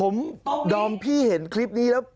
มึงชีดตรงนี้นะ